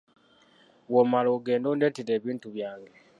Bw’omala, ogende ondeetere ebintu byange.